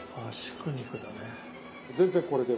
全然これで。